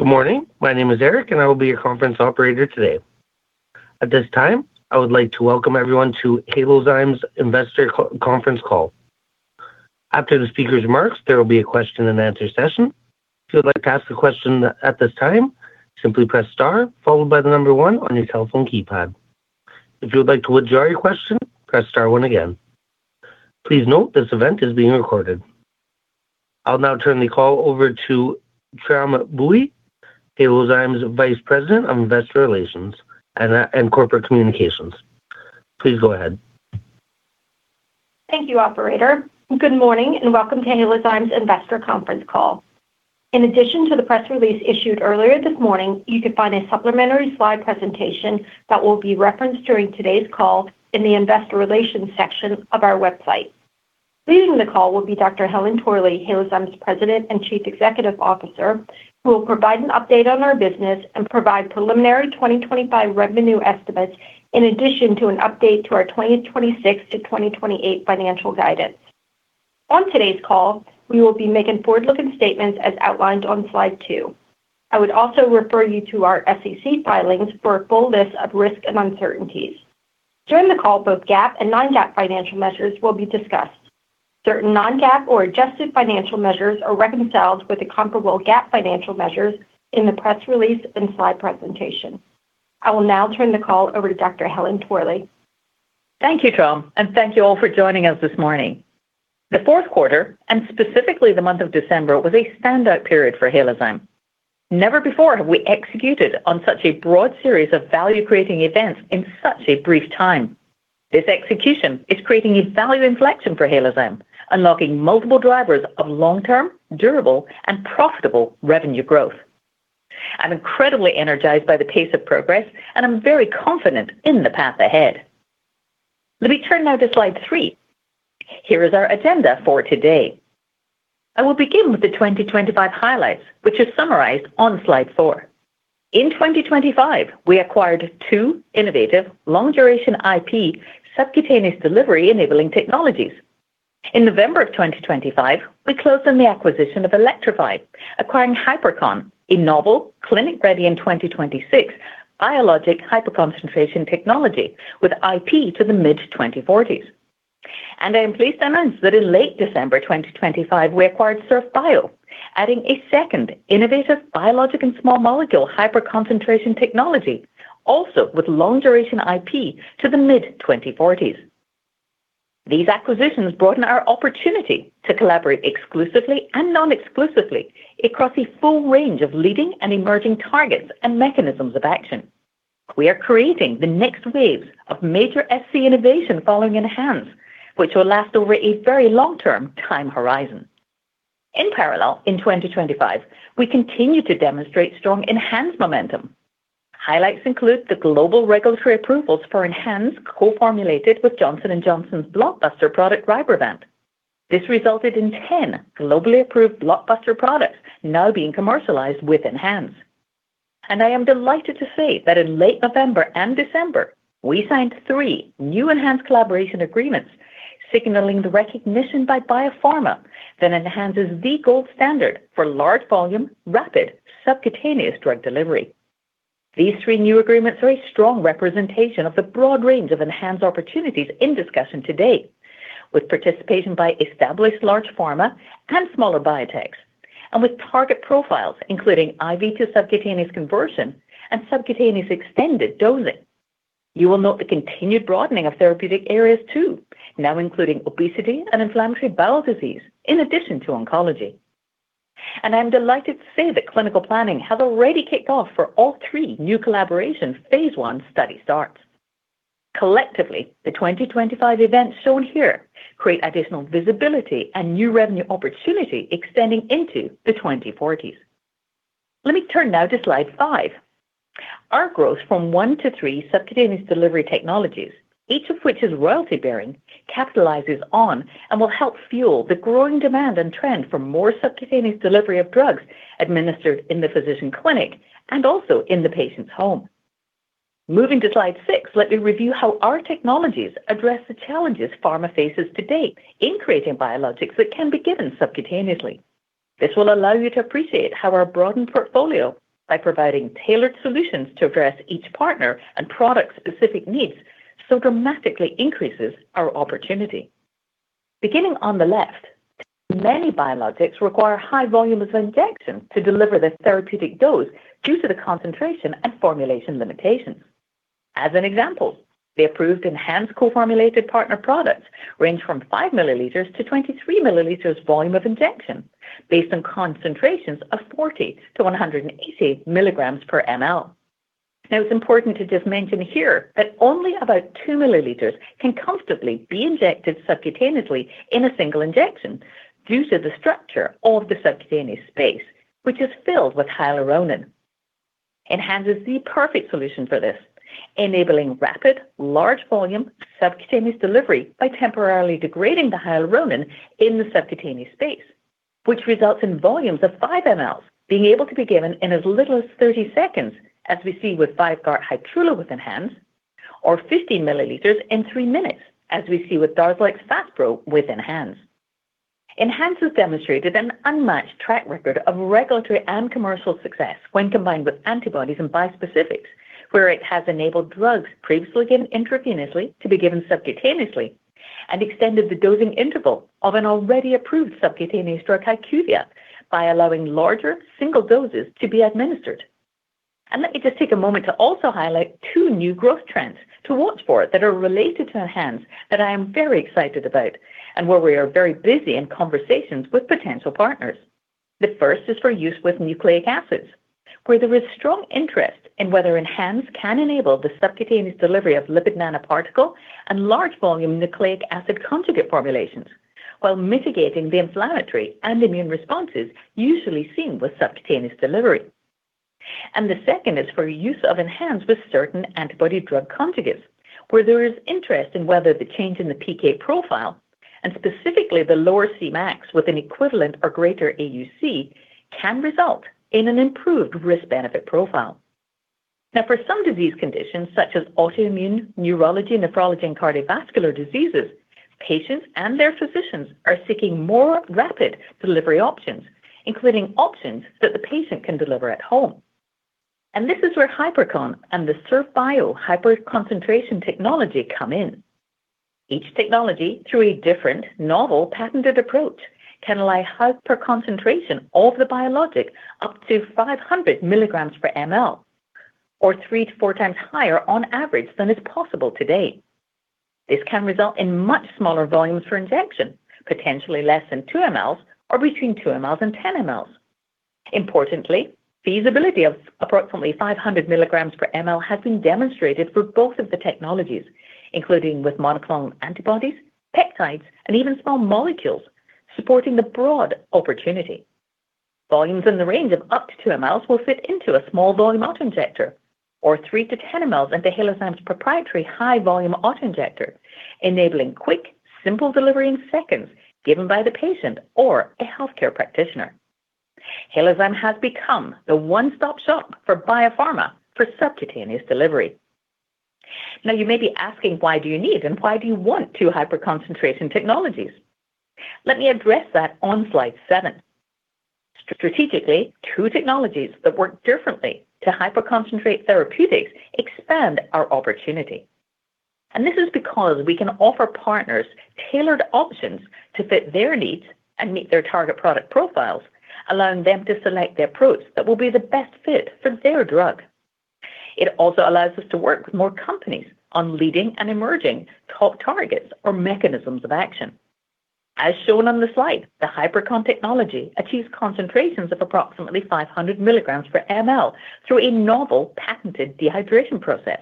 Good morning. My name is Eric, and I will be your conference operator today. At this time, I would like to welcome everyone to Halozyme's Investor Conference Call. After the speaker's remarks, there will be a question and answer session. If you would like to ask a question at this time, simply press star, followed by the number one on your telephone keypad. If you would like to withdraw your question, press star one again. Please note, this event is being recorded. I'll now turn the call over to Tram Bui, Halozyme's Vice President of Investor Relations and Corporate Communications. Please go ahead. Thank you, Operator. Good morning, and welcome to Halozyme's Investor Conference Call. In addition to the press release issued earlier this morning, you can find a supplementary slide presentation that will be referenced during today's call in the Investor Relations section of our website. Leading the call will be Dr. Helen Torley, Halozyme's President and Chief Executive Officer, who will provide an update on our business and provide preliminary 2025 revenue estimates, in addition to an update to our 2026 to 2028 financial guidance. On today's call, we will be making forward-looking statements as outlined on slide two. I would also refer you to our SEC filings for a full list of risks and uncertainties. During the call, both GAAP and non-GAAP financial measures will be discussed. Certain non-GAAP or adjusted financial measures are reconciled with the comparable GAAP financial measures in the press release and slide presentation. I will now turn the call over to Dr. Helen Torley. Thank you, Tram, and thank you all for joining us this morning. The fourth quarter, and specifically the month of December, was a standout period for Halozyme. Never before have we executed on such a broad series of value-creating events in such a brief time. This execution is creating a value inflection for Halozyme, unlocking multiple drivers of long-term, durable, and profitable revenue growth. I'm incredibly energized by the pace of progress, and I'm very confident in the path ahead. Let me turn now to slide three. Here is our agenda for today. I will begin with the 2025 highlights, which are summarized on slide four. In 2025, we acquired two innovative long-duration IP subcutaneous delivery-enabling technologies. In November of 2025, we closed on the acquisition of Elektrofi, acquiring Hypercon, a novel clinic-ready in 2026, biologic hyperconcentration technology with IP to the mid-2040s. I am pleased to announce that in late December 2025, we acquired Surf Bio, adding a second innovative biologic and small molecule hyperconcentration technology, also with long-duration IP to the mid-2040s. These acquisitions broaden our opportunity to collaborate exclusively and non-exclusively across a full range of leading and emerging targets and mechanisms of action. We are creating the next waves of major SC innovation following ENHANZE, which will last over a very long-term time horizon. In parallel, in 2025, we continued to demonstrate strong ENHANZE momentum. Highlights include the global regulatory approvals for ENHANZE, co-formulated with Johnson & Johnson's blockbuster product, RYBREVANT. This resulted in 10 globally approved blockbuster products now being commercialized with ENHANZE. I am delighted to say that in late November and December, we signed three new ENHANZE collaboration agreements, signaling the recognition by biopharma that ENHANZE is the gold standard for large volume, rapid subcutaneous drug delivery. These three new agreements are a strong representation of the broad range of ENHANZE opportunities in discussion to date, with participation by established large pharma and smaller biotechs, and with target profiles including IV to subcutaneous conversion and subcutaneous extended dosing. You will note the continued broadening of therapeutic areas, too, now including obesity and inflammatory bowel disease, in addition to oncology. And I'm delighted to say that clinical planning has already kicked off for all three new Phase I study starts. Collectively, the 2025 events shown here create additional visibility and new revenue opportunity extending into the 2040s. Let me turn now to slide 5. Our growth from 1 to 3 subcutaneous delivery technologies, each of which is royalty-bearing, capitalizes on and will help fuel the growing demand and trend for more subcutaneous delivery of drugs administered in the physician clinic and also in the patient's home. Moving to slide 6, let me review how our technologies address the challenges pharma faces to date in creating biologics that can be given subcutaneously. This will allow you to appreciate how our broadened portfolio, by providing tailored solutions to address each partner and product's specific needs, so dramatically increases our opportunity. Beginning on the left, many biologics require high volumes of injection to deliver the therapeutic dose due to the concentration and formulation limitations. As an example, the approved ENHANZE co-formulated partner products range from 5 milliliters to 23 milliliters volume of injection based on concentrations of 40 to 180 milligrams per mL. Now, it's important to just mention here that only about 2 milliliters can comfortably be injected subcutaneously in a single injection due to the structure of the subcutaneous space, which is filled with hyaluronan. ENHANZE is the perfect solution for this, enabling rapid, large volume subcutaneous delivery by temporarily degrading the hyaluronan in the subcutaneous space, which results in volumes of 5 mL being able to be given in as little as 30 seconds, as we see with VYVGART Hytrulo with ENHANZE, or 15 milliliters in 3 minutes, as we see with DARZALEX FASPRO with ENHANZE. ENHANZE has demonstrated an unmatched track record of regulatory and commercial success when combined with antibodies and bispecifics, where it has enabled drugs previously given intravenously to be given subcutaneously, and extended the dosing interval of an already approved subcutaneous drug, HYQVIA, by allowing larger single doses to be administered. Let me just take a moment to also highlight two new growth trends to watch for that are related to ENHANZE that I am very excited about, and where we are very busy in conversations with potential partners. The first is for use with nucleic acids, where there is strong interest in whether ENHANZE can enable the subcutaneous delivery of lipid nanoparticle and large volume nucleic acid conjugate formulations, while mitigating the inflammatory and immune responses usually seen with subcutaneous delivery. The second is for use of ENHANZE with certain antibody-drug conjugates, where there is interest in whether the change in the PK profile, and specifically the lower Cmax with an equivalent or greater AUC, can result in an improved risk-benefit profile. Now, for some disease conditions, such as autoimmune, neurology, nephrology, and cardiovascular diseases, patients and their physicians are seeking more rapid delivery options, including options that the patient can deliver at home. This is where Hypercon and the Surf Bio hyperconcentration technology come in. Each technology, through a different novel patented approach, can allow hyperconcentration of the biologic up to 500 milligrams per mL, or 3-4 times higher on average than is possible today. This can result in much smaller volumes for injection, potentially less than 2 mL, or between 2 mL and 10 mL. Importantly, feasibility of approximately 500 milligrams per mL has been demonstrated for both of the technologies, including with monoclonal antibodies, peptides, and even small molecules supporting the broad opportunity. Volumes in the range of up to 2 mL will fit into a small volume autoinjector or 3-10 mL into Halozyme's proprietary high-volume autoinjector, enabling quick, simple delivery in seconds, given by the patient or a healthcare practitioner. Halozyme has become the one-stop shop for biopharma for subcutaneous delivery. Now, you may be asking, why do you need and why do you want two hyperconcentration technologies? Let me address that on slide 7. Strategically, two technologies that work differently to hyperconcentrate therapeutics expand our opportunity. This is because we can offer partners tailored options to fit their needs and meet their target product profiles, allowing them to select the approach that will be the best fit for their drug. It also allows us to work with more companies on leading and emerging top targets or mechanisms of action. As shown on the slide, the Hypercon technology achieves concentrations of approximately 500 milligrams per ml through a novel patented dehydration process.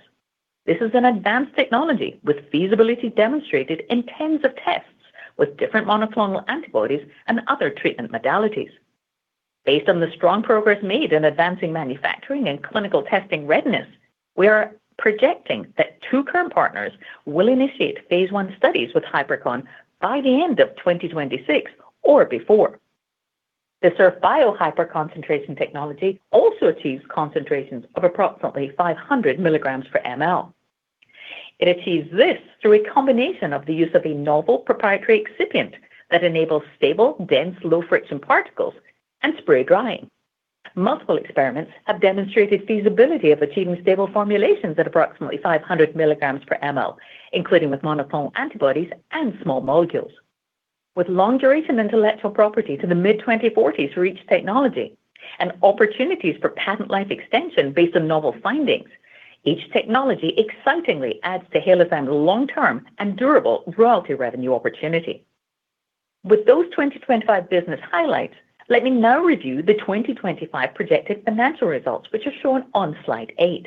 This is an advanced technology with feasibility demonstrated in tens of tests with different monoclonal antibodies and other treatment modalities. Based on the strong progress made in advancing manufacturing and clinical testing readiness, we are projecting that two current partners will Phase I studies with Hypercon by the end of 2026 or before. The Surf Bio hyperconcentration technology also achieves concentrations of approximately 500 milligrams per ml. It achieves this through a combination of the use of a novel proprietary excipient that enables stable, dense, low-friction particles and spray drying. Multiple experiments have demonstrated feasibility of achieving stable formulations at approximately 500 milligrams per ml, including with monoclonal antibodies and small molecules. With long-duration intellectual property to the mid-2040s for each technology and opportunities for patent life extension based on novel findings, each technology excitingly adds to Halozyme's long-term and durable royalty revenue opportunity. With those 2025 business highlights, let me now review the 2025 projected financial results, which are shown on slide 8.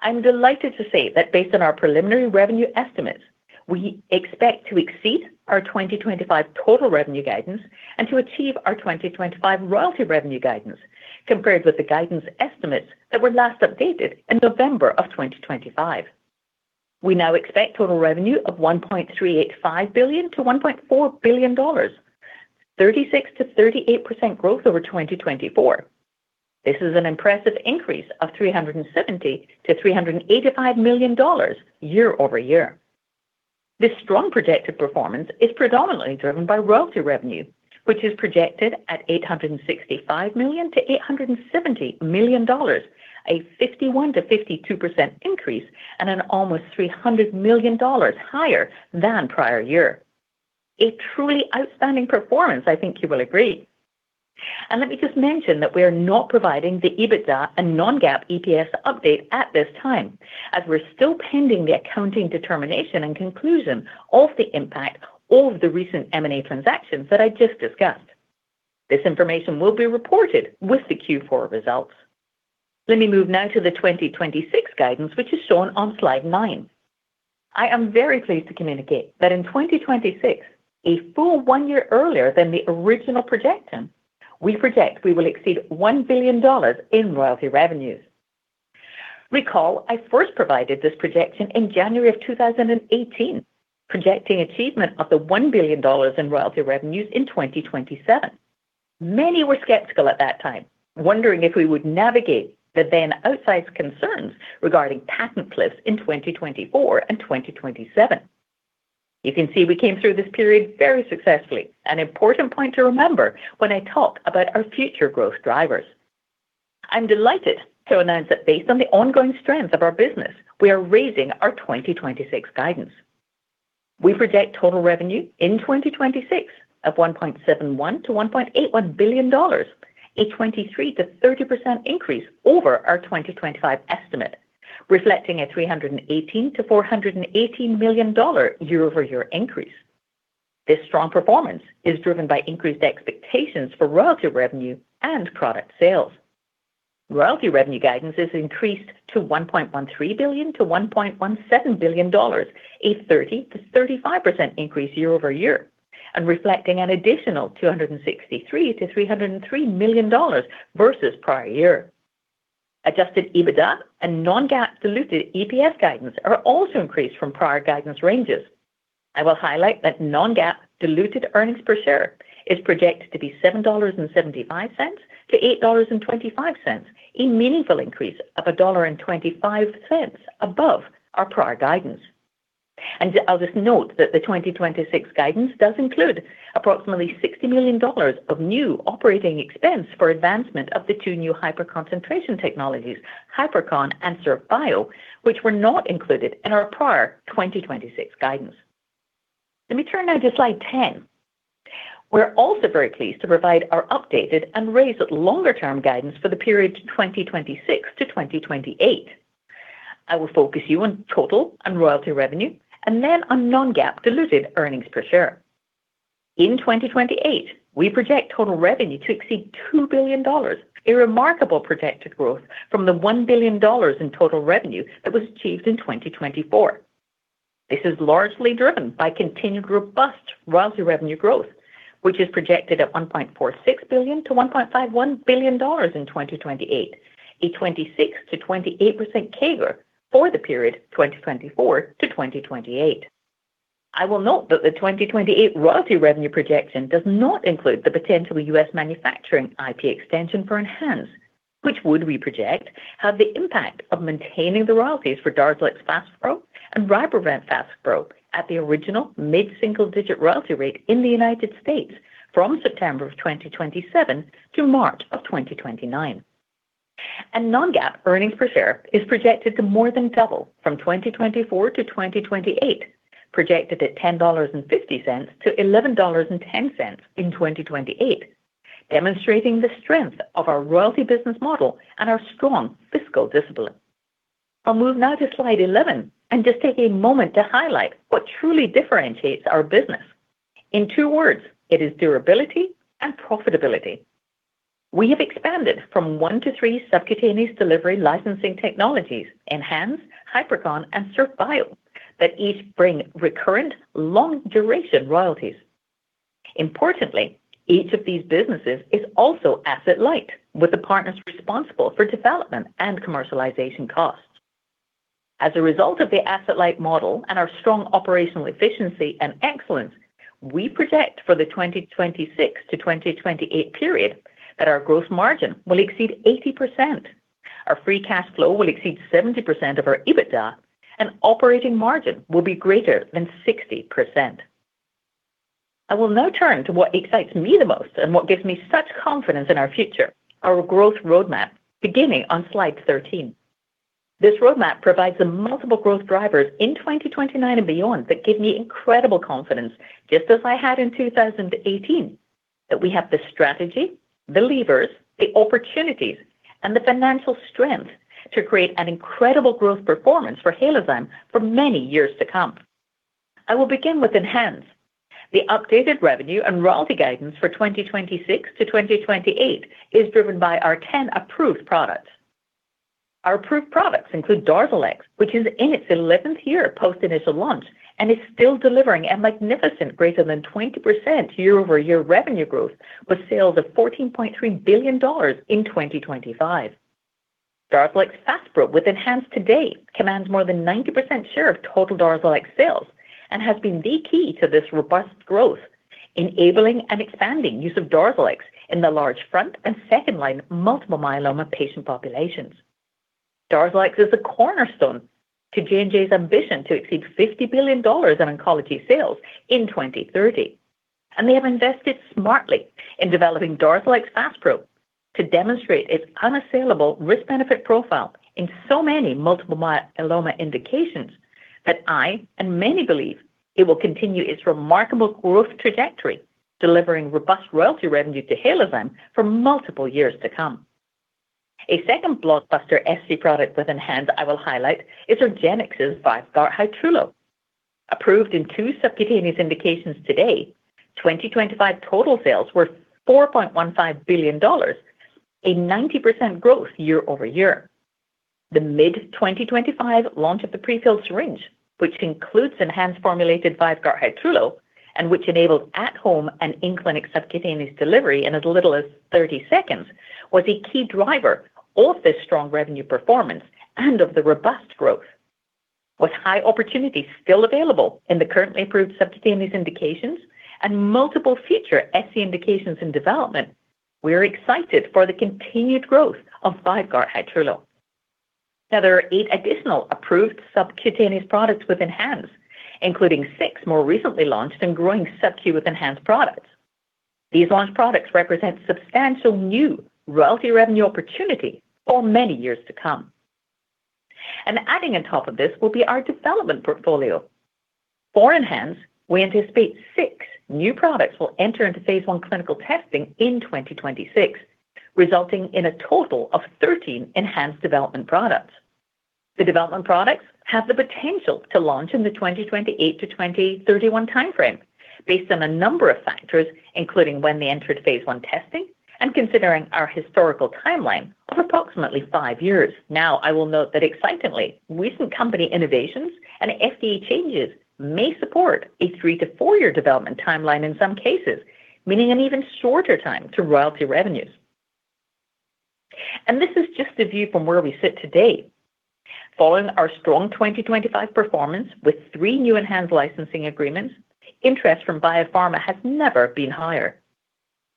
I'm delighted to say that based on our preliminary revenue estimates, we expect to exceed our 2025 total revenue guidance and to achieve our 2025 royalty revenue guidance, compared with the guidance estimates that were last updated in November of 2025. We now expect total revenue of $1.385 billion-$1.4 billion, 36%-38% growth over 2024. This is an impressive increase of $370 million-$385 million year-over-year. This strong projected performance is predominantly driven by royalty revenue, which is projected at $865 million-$870 million, a 51%-52% increase and an almost $300 million higher than prior year. A truly outstanding performance, I think you will agree. Let me just mention that we are not providing the EBITDA and non-GAAP EPS update at this time, as we're still pending the accounting determination and conclusion of the impact of the recent M&A transactions that I just discussed. This information will be reported with the Q4 results. Let me move now to the 2026 guidance, which is shown on slide 9. I am very pleased to communicate that in 2026, a full one year earlier than the original projection, we project we will exceed $1 billion in royalty revenues. Recall, I first provided this projection in January 2018, projecting achievement of $1 billion in royalty revenues in 2027. Many were skeptical at that time, wondering if we would navigate the then outsized concerns regarding patent cliffs in 2024 and 2027. You can see we came through this period very successfully, an important point to remember when I talk about our future growth drivers. I'm delighted to announce that based on the ongoing strength of our business, we are raising our 2026 guidance. We project total revenue in 2026 of $1.71 billion-$1.81 billion, a 23%-30% increase over our 2025 estimate, reflecting a $318 million-$418 million year-over-year increase. This strong performance is driven by increased expectations for royalty revenue and product sales. Royalty revenue guidance is increased to $1.13 billion-$1.17 billion, a 30%-35% increase year-over-year, and reflecting an additional $263 million-$303 million versus prior year. Adjusted EBITDA and non-GAAP diluted EPS guidance are also increased from prior guidance ranges. I will highlight that non-GAAP diluted earnings per share is projected to be $7.75-$8.25, a meaningful increase of $1.25 above our prior guidance. I'll just note that the 2026 guidance does include approximately $60 million of new operating expense for advancement of the two new hyperconcentration technologies, Hypercon and Surf Bio, which were not included in our prior 2026 guidance. Let me turn now to slide 10. We're also very pleased to provide our updated and raised longer-term guidance for the period 2026 to 2028. I will focus you on total and royalty revenue and then on non-GAAP diluted earnings per share. In 2028, we project total revenue to exceed $2 billion, a remarkable projected growth from the $1 billion in total revenue that was achieved in 2024. This is largely driven by continued robust royalty revenue growth, which is projected at $1.46 billion-$1.51 billion in 2028, a 26%-28% CAGR for the period 2024 to 2028. I will note that the 2028 royalty revenue projection does not include the potential U.S. manufacturing IP extension for ENHANZE, which would, we project, have the impact of maintaining the royalties for DARZALEX FASPRO and RYBREVANT FASPRO at the original mid-single-digit royalty rate in the United States from September of 2027 to March of 2029. Non-GAAP earnings per share is projected to more than double from 2024 to 2028, projected at $10.50-$11.10 in 2028, demonstrating the strength of our royalty business model and our strong fiscal discipline. I'll move now to slide 11 and just take a moment to highlight what truly differentiates our business. In two words, it is durability and profitability. We have expanded from one to three subcutaneous delivery licensing technologies, ENHANZE, Hypercon, and Surf Bio, that each bring recurrent, long-duration royalties. Importantly, each of these businesses is also asset light, with the partners responsible for development and commercialization costs. As a result of the asset light model and our strong operational efficiency and excellence, we project for the 2026 to 2028 period that our gross margin will exceed 80%, our free cash flow will exceed 70% of our EBITDA, and operating margin will be greater than 60%. I will now turn to what excites me the most and what gives me such confidence in our future, our growth roadmap, beginning on slide 13. This roadmap provides the multiple growth drivers in 2029 and beyond that give me incredible confidence, just as I had in 2018, that we have the strategy, the levers, the opportunities, and the financial strength to create an incredible growth performance for Halozyme for many years to come. I will begin with ENHANZE. The updated revenue and royalty guidance for 2026 to 2028 is driven by our 10 approved products. Our approved products include DARZALEX, which is in its 11th year post initial launch and is still delivering a magnificent greater than 20% year-over-year revenue growth, with sales of $14.3 billion in 2025. DARZALEX FASPRO, with ENHANZE to date, commands more than 90% share of total DARZALEX sales and has been the key to this robust growth, enabling and expanding use of DARZALEX in the large front and second-line multiple myeloma patient populations. DARZALEX is a cornerstone to J&J's ambition to exceed $50 billion in oncology sales in 2030, and they have invested smartly in developing DARZALEX FASPRO to demonstrate its unassailable risk-benefit profile in so many multiple myeloma indications that I and many believe it will continue its remarkable growth trajectory, delivering robust royalty revenue to Halozyme for multiple years to come. A second blockbuster FC product with ENHANZE I will highlight is argenx's VYVGART Hytrulo. Approved in two subcutaneous indications today, 2025 total sales were $4.15 billion, a 90% growth year-over-year. The mid-2025 launch of the prefilled syringe, which includes ENHANZE-formulated VYVGART Hytrulo, and which enables at-home and in-clinic subcutaneous delivery in as little as 30 seconds, was a key driver of this strong revenue performance and of the robust growth.... With high opportunities still available in the currently approved subcutaneous indications and multiple future SC indications in development, we are excited for the continued growth of VYVGART Hytrulo. Now, there are 8 additional approved subcutaneous products with ENHANZE, including 6 more recently launched and growing SC with ENHANZE products. These launched products represent substantial new royalty revenue opportunity for many years to come. Adding on top of this will be our development portfolio. For ENHANZE, we anticipate 6 new products will enter into Phase I clinical testing in 2026, resulting in a total of 13 ENHANZE development products. The development products have the potential to launch in the 2028-2031 timeframe, based on a number of factors, including when they entered Phase I testing and considering our historical timeline of approximately 5 years. Now, I will note that excitedly, recent company innovations and FDA changes may support a 3- to 4-year development timeline in some cases, meaning an even shorter time to royalty revenues. And this is just a view from where we sit today. Following our strong 2025 performance with 3 new ENHANZE licensing agreements, interest from biopharma has never been higher.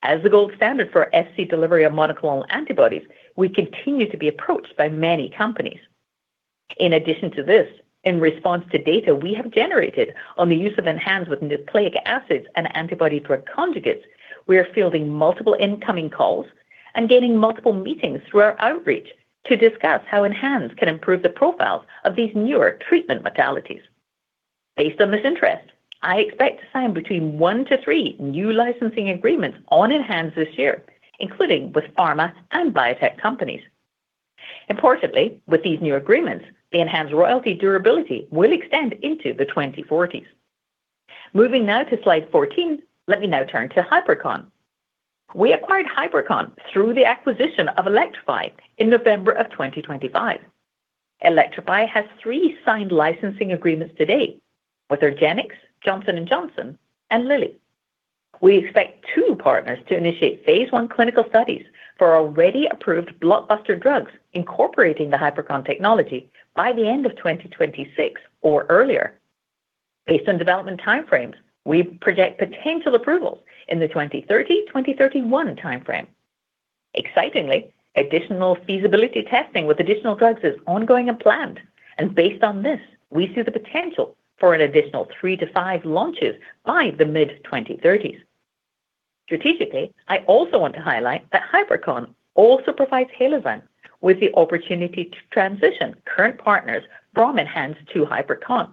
As the gold standard for SC delivery of monoclonal antibodies, we continue to be approached by many companies. In addition to this, in response to data we have generated on the use of ENHANZE with nucleic acids and antibody-drug conjugates, we are fielding multiple incoming calls and gaining multiple meetings through our outreach to discuss how ENHANZE can improve the profiles of these newer treatment modalities. Based on this interest, I expect to sign between 1 to 3 new licensing agreements on ENHANZE this year, including with pharma and biotech companies. Importantly, with these new agreements, the ENHANZE royalty durability will extend into the 2040s. Moving now to Slide 14, let me now turn to Hypercon. We acquired Hypercon through the acquisition of Elektrofi in November of 2025. Elektrofi has 3 signed licensing agreements to date with argenx, Johnson & Johnson, and Eli Lilly. We expect 2 partners to initiate Phase I clinical studies for already approved blockbuster drugs, incorporating the Hypercon technology by the end of 2026 or earlier. Based on development time frames, we project potential approvals in the 2030, 2031 time frame. Excitingly, additional feasibility testing with additional drugs is ongoing and planned, and based on this, we see the potential for an additional 3-5 launches by the mid-2030s. Strategically, I also want to highlight that Hypercon also provides Halozyme with the opportunity to transition current partners from ENHANZE to Hypercon.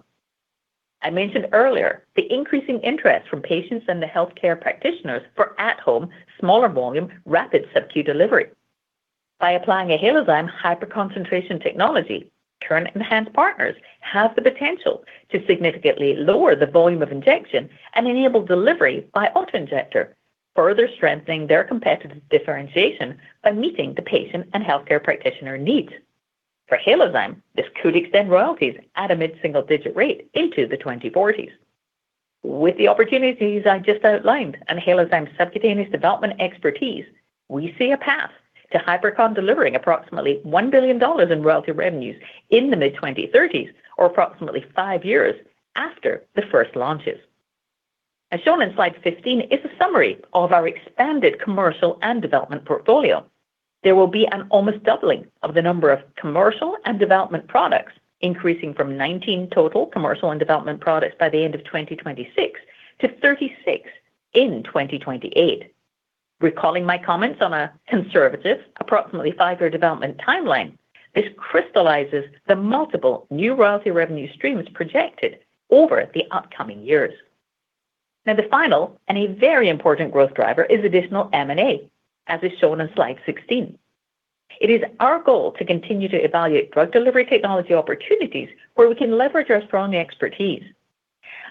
I mentioned earlier the increasing interest from patients and the healthcare practitioners for at-home, smaller volume, rapid sub-Q delivery. By applying a Halozyme Hypercon technology, current ENHANZE partners have the potential to significantly lower the volume of injection and enable delivery by autoinjector, further strengthening their competitive differentiation by meeting the patient and healthcare practitioner needs. For Halozyme, this could extend royalties at a mid-single-digit rate into the 2040s. With the opportunities I just outlined and Halozyme's subcutaneous development expertise, we see a path to Hypercon delivering approximately $1 billion in royalty revenues in the mid-2030s or approximately 5 years after the first launches. As shown in Slide 15, is a summary of our expanded commercial and development portfolio. There will be an almost doubling of the number of commercial and development products, increasing from 19 total commercial and development products by the end of 2026 to 36 in 2028. Recalling my comments on a conservative, approximately 5-year development timeline, this crystallizes the multiple new royalty revenue streams projected over the upcoming years. Now, the final and a very important growth driver is additional M&A, as is shown in Slide 16. It is our goal to continue to evaluate drug delivery technology opportunities where we can leverage our strong expertise.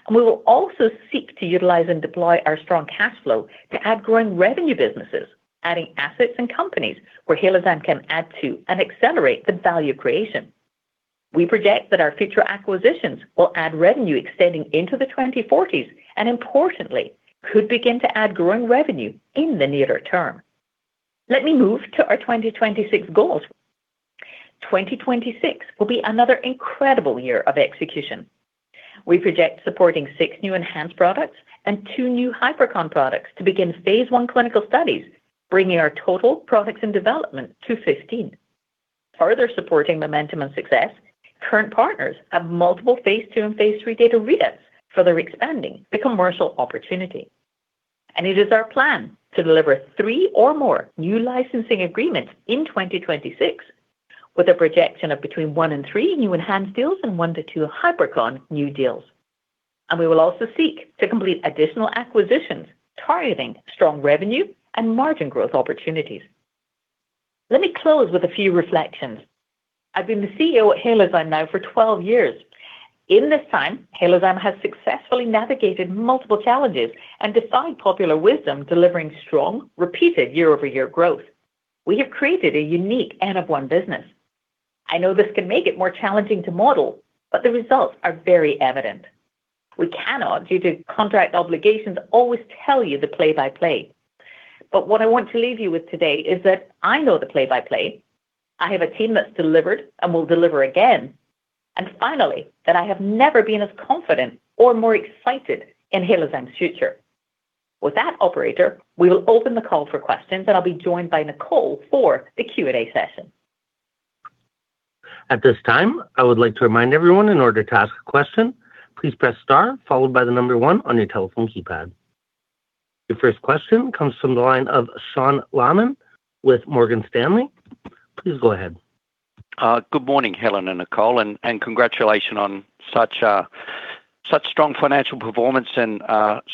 And we will also seek to utilize and deploy our strong cash flow to add growing revenue businesses, adding assets and companies where Halozyme can add to and accelerate the value creation. We project that our future acquisitions will add revenue extending into the 2040s, and importantly, could begin to add growing revenue in the nearer term. Let me move to our 2026 goals. 2026 will be another incredible year of execution. We project supporting 6 new ENHANZE products and 2 new Hypercon products to begin Phase I clinical studies, bringing our total products in development to 15. Further supporting momentum and success, current partners have multiple Phase Ii and Phase Iii data readouts, further expanding the commercial opportunity. It is our plan to deliver 3 or more new licensing agreements in 2026, with a projection of between 1 and 3 new ENHANZE deals and 1 to 2 Hypercon new deals. We will also seek to complete additional acquisitions, targeting strong revenue and margin growth opportunities. Let me close with a few reflections. I've been the CEO at Halozyme now for 12 years. In this time, Halozyme has successfully navigated multiple challenges and defied popular wisdom, delivering strong, repeated year-over-year growth. We have created a unique N of 1 business. I know this can make it more challenging to model, but the results are very evident. We cannot, due to contract obligations, always tell you the play-by-play... But what I want to leave you with today is that I know the play-by-play, I have a team that's delivered and will deliver again, and finally, that I have never been as confident or more excited in Halozyme's future. With that, operator, we will open the call for questions, and I'll be joined by Nicole for the Q&A session. At this time, I would like to remind everyone, in order to ask a question, please press star followed by the number one on your telephone keypad. Your first question comes from the line of Sean Laaman with Morgan Stanley. Please go ahead. Good morning, Helen and Nicole, and congratulations on such a strong financial performance and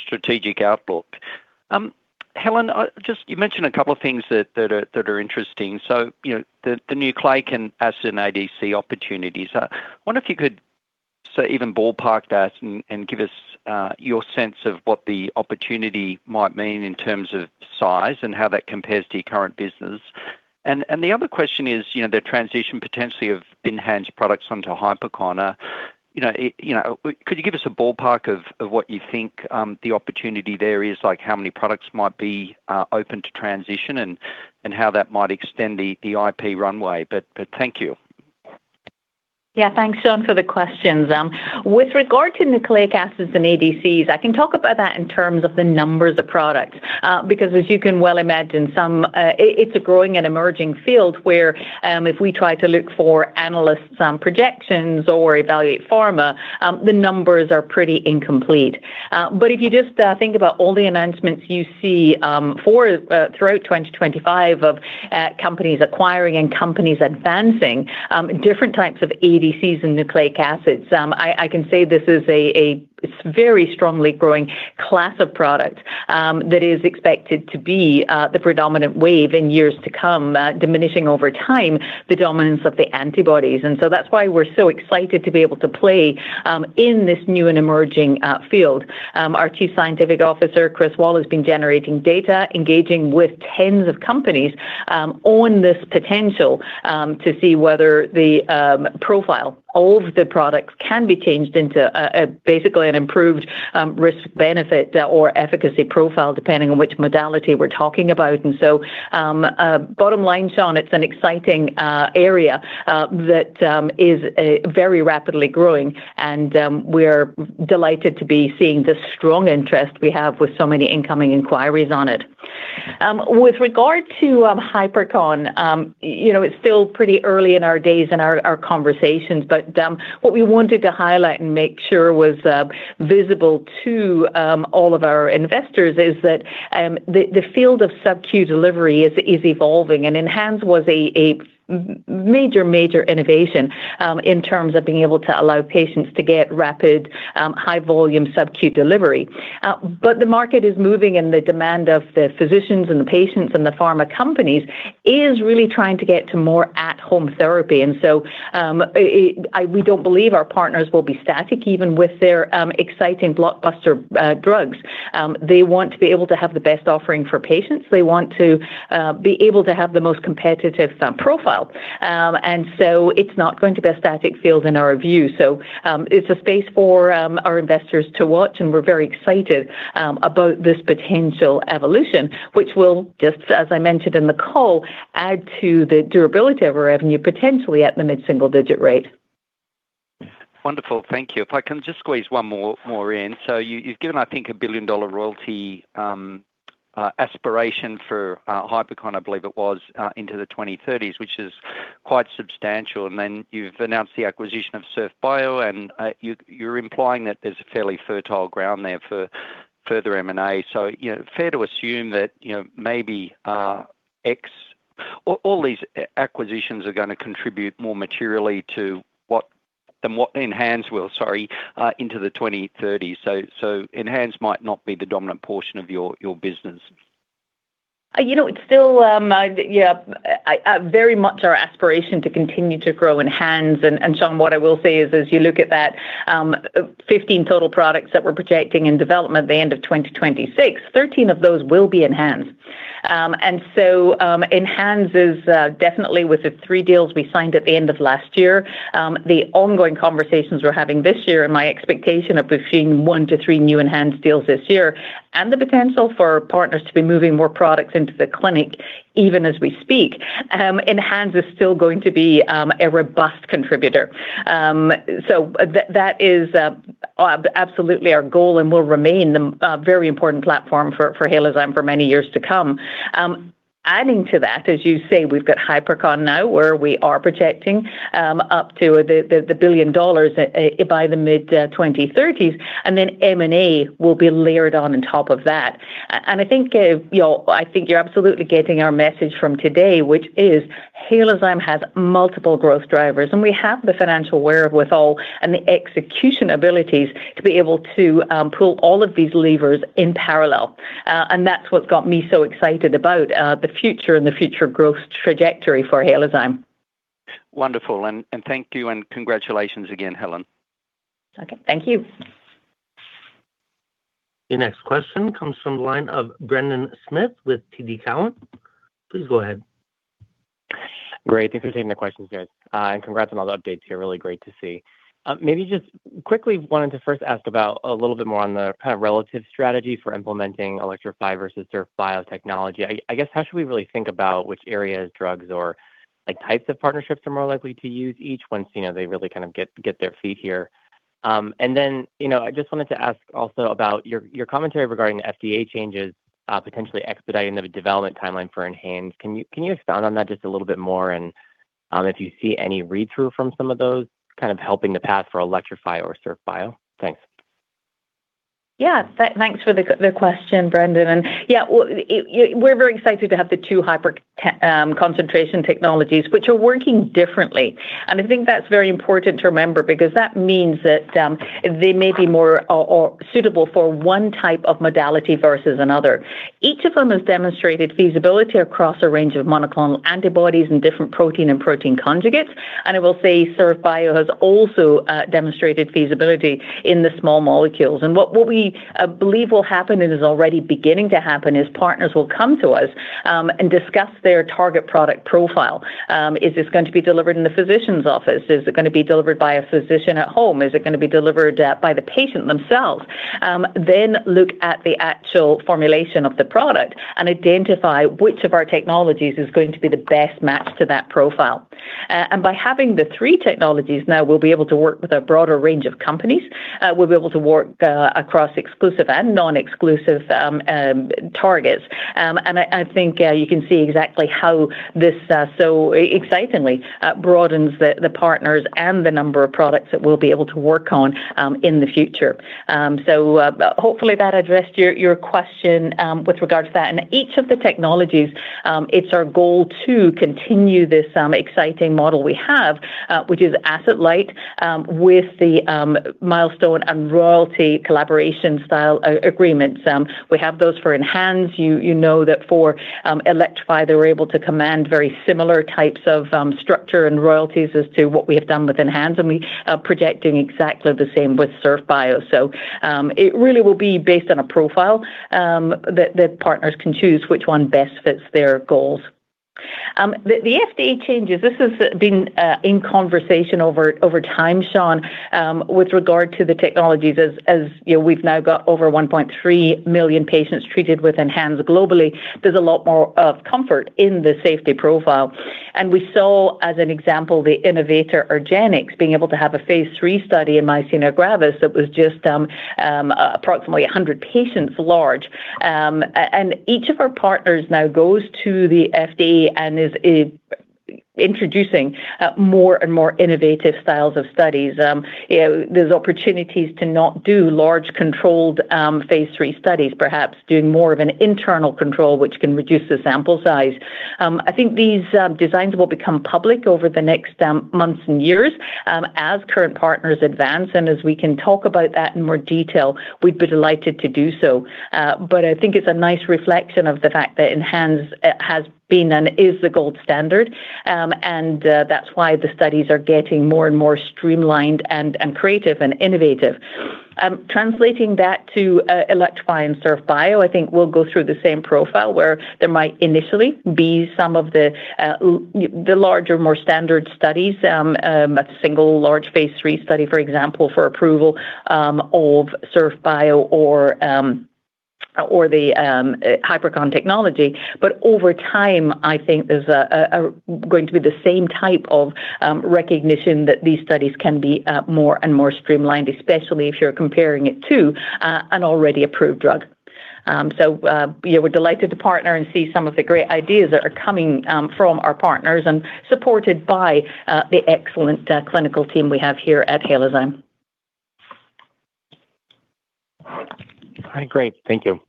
strategic outlook. Helen, just you mentioned a couple of things that are interesting. So, you know, the nucleic acid ADC opportunities. I wonder if you could say, even ballpark that, and give us your sense of what the opportunity might mean in terms of size and how that compares to your current business. And the other question is, you know, the transition potentially of ENHANZE products onto Hypercon. You know, it, you know, could you give us a ballpark of what you think the opportunity there is, like, how many products might be open to transition and how that might extend the IP runway? But thank you. Yeah. Thanks, Sean, for the questions. With regard to nucleic acids and ADCs, I can talk about that in terms of the numbers of products, because as you can well imagine, it's a growing and emerging field where, if we try to look for analyst projections or evaluate pharma, the numbers are pretty incomplete. But if you just think about all the announcements you see for throughout 2025 of companies acquiring and companies advancing different types of ADCs and nucleic acids, I can say this is a very strongly growing class of product that is expected to be the predominant wave in years to come, diminishing over time the dominance of the antibodies. And so that's why we're so excited to be able to play in this new and emerging field. Our Chief Scientific Officer, Chris Wahl, has been generating data, engaging with tens of companies on this potential to see whether the profile of the products can be changed into basically an improved risk, benefit, or efficacy profile, depending on which modality we're talking about. And so bottom line, Sean, it's an exciting area that is very rapidly growing, and we're delighted to be seeing the strong interest we have with so many incoming inquiries on it. With regard to Hypercon, you know, it's still pretty early in our days and our conversations, but what we wanted to highlight and make sure was visible to all of our investors is that the field of sub-Q delivery is evolving, and ENHANZE was a major, major innovation in terms of being able to allow patients to get rapid high-volume sub-Q delivery. But the market is moving, and the demand of the physicians and the patients and the pharma companies is really trying to get to more at-home therapy. And so we don't believe our partners will be static, even with their exciting blockbuster drugs. They want to be able to have the best offering for patients. They want to be able to have the most competitive sound profile. And so it's not going to be a static field in our view. So, it's a space for our investors to watch, and we're very excited about this potential evolution, which will, just as I mentioned in the call, add to the durability of our revenue, potentially at the mid-single-digit rate. Wonderful. Thank you. If I can just squeeze one more in. So you've given, I think, a billion-dollar royalty aspiration for Hypercon, I believe it was, into the 2030s, which is quite substantial. And then you've announced the acquisition of Surf Bio, and you're implying that there's a fairly fertile ground there for further M&A. So, you know, fair to assume that, you know, maybe all these acquisitions are gonna contribute more materially to what than what ENHANZE will, sorry, into the 2030s. So ENHANZE might not be the dominant portion of your business. You know, it's still very much our aspiration to continue to grow ENHANZE. And Sean, what I will say is, as you look at that 15 total products that we're projecting in development at the end of 2026, 13 of those will be ENHANZE. And so, ENHANZE is definitely with the 3 deals we signed at the end of last year, the ongoing conversations we're having this year, and my expectation of between 1-3 new ENHANZE deals this year, and the potential for our partners to be moving more products into the clinic, even as we speak, ENHANZE is still going to be a robust contributor. So that is absolutely our goal and will remain the very important platform for Halozyme for many years to come. Adding to that, as you say, we've got Hypercon now, where we are projecting up to $1 billion by the mid-2030s, and then M&A will be layered on top of that. And I think you know I think you're absolutely getting our message from today, which is Halozyme has multiple growth drivers, and we have the financial wherewithal and the execution abilities to be able to pull all of these levers in parallel. And that's what got me so excited about the future and the future growth trajectory for Halozyme. Wonderful. And thank you, and congratulations again, Helen. Okay. Thank you. The next question comes from the line of Brendan Smith with TD Cowen. Please go ahead. ... Great. Thanks for taking the questions, guys, and congrats on all the updates here. Really great to see. Maybe just quickly wanted to first ask about a little bit more on the kind of relative strategy for implementing Elektrofi versus Surf Bio technology. I guess, how should we really think about which areas, drugs, or, like, types of partnerships are more likely to use each once, you know, they really kind of get their feet here? And then, you know, I just wanted to ask also about your commentary regarding the FDA changes, potentially expediting the development timeline for ENHANZE. Can you expound on that just a little bit more? And, if you see any read-through from some of those kind of helping the path for Elektrofi or Surf Bio? Thanks. Yeah. Thanks for the question, Brendan. And yeah, well, we're very excited to have the two hyper concentration technologies, which are working differently. And I think that's very important to remember because that means that they may be more or suitable for one type of modality versus another. Each of them has demonstrated feasibility across a range of monoclonal antibodies and different protein and protein conjugates, and I will say Surf Bio has also demonstrated feasibility in the small molecules. And what we believe will happen, and is already beginning to happen, is partners will come to us and discuss their target product profile. Is this going to be delivered in the physician's office? Is it gonna be delivered by a physician at home? Is it gonna be delivered by the patient themselves? Then look at the actual formulation of the product and identify which of our technologies is going to be the best match to that profile. And by having the three technologies, now we'll be able to work with a broader range of companies. We'll be able to work across exclusive and non-exclusive targets. And I think you can see exactly how this so excitingly broadens the partners and the number of products that we'll be able to work on in the future. So hopefully that addressed your question with regard to that. And each of the technologies, it's our goal to continue this exciting model we have, which is asset light, with the milestone and royalty collaboration style agreement. We have those for ENHANZE. You, you know that for, Elektrofi, they were able to command very similar types of, structure and royalties as to what we have done with ENHANZE, and we are projecting exactly the same with Surf Bio. So, it really will be based on a profile, that, that partners can choose which one best fits their goals. The, the FDA changes, this has been, in conversation over, over time, Sean, with regard to the technologies. As, as, you know, we've now got over 1.3 million patients treated with ENHANZE globally, there's a lot more of comfort in the safety profile. And we saw, as an example, the innovator, argenx, being able to have a Phase III study in myasthenia gravis that was just, approximately 100 patients large. And each of our partners now goes to the FDA and is introducing more and more innovative styles of studies. You know, there's opportunities to not do large, controlled Phase III studies, perhaps doing more of an internal control, which can reduce the sample size. I think these designs will become public over the next months and years as current partners advance. And as we can talk about that in more detail, we'd be delighted to do so. But I think it's a nice reflection of the fact that ENHANZE has been and is the gold standard, and that's why the studies are getting more and more streamlined and creative and innovative. Translating that to Elektrofi and Surf Bio, I think will go through the same profile, where there might initially be some of the larger, more standard studies, a single large Phase III study, for example, for approval, of Surf Bio or the Hypercon technology. But over time, I think there's going to be the same type of recognition that these studies can be more and more streamlined, especially if you're comparing it to an already approved drug. So, we are delighted to partner and see some of the great ideas that are coming from our partners and supported by the excellent clinical team we have here at Halozyme. All right, great. Thank you.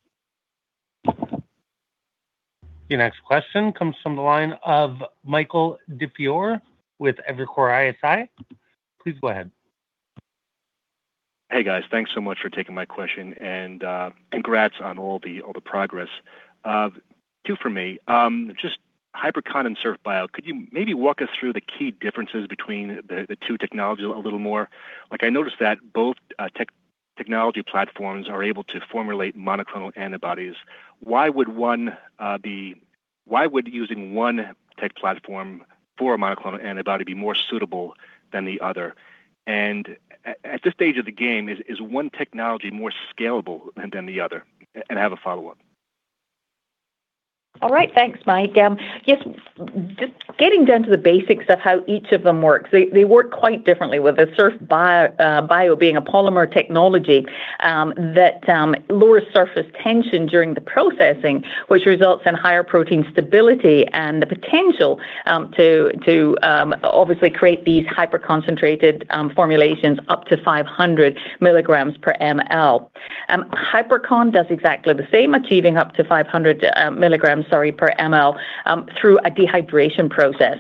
Your next question comes from the line of Michael DiFiore with Evercore ISI. Please go ahead. Hey, guys. Thanks so much for taking my question, and congrats on all the, all the progress. Two for me. Just Hypercon and Surf Bio, could you maybe walk us through the key differences between the, the two technologies a little more? Like, I noticed that both technology platforms are able to formulate monoclonal antibodies. Why would one why would using one tech platform for a monoclonal antibody be more suitable than the other? And at this stage of the game, is one technology more scalable than the other? And I have a follow-up. All right. Thanks, Mike. Yes, just getting down to the basics of how each of them works, they, they work quite differently, with the Surf Bio, Bio being a polymer technology, that lowers surface tension during the processing, which results in higher protein stability and the potential, to, to, obviously, create these hyper-concentrated, formulations up to 500 milligrams per mL. Hypercon does exactly the same, achieving up to 500, milligrams, sorry, per mL, through a dehydration process.